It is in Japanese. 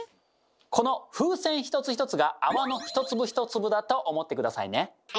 この風船一つ一つが泡の一粒一粒だと思って下さいね。